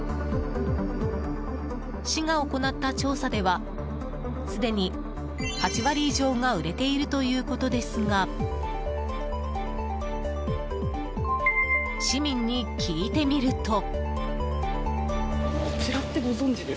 市が行った調査ではすでに８割以上が売れているということですが市民に聞いてみると。